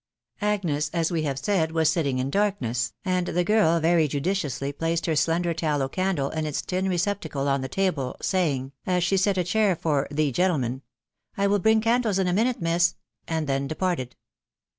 Agnes, as we have said, was sitting in darkness, and the girl very judiciously placed her slender tallow candle in its tin receptacle on the table, saying, as she set a chair for " the gentleman/' " I will bring candles in a minute, miss," and then departed.